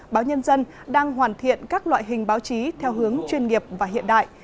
báo nhân dân đang hoàn thiện các loại hình báo chí theo hướng chuyên nghiệp và hiện đại